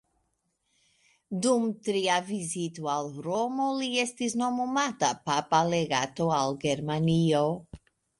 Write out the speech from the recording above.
Dum tria vizito al Romo li estis nomumata papa legato al Germanio.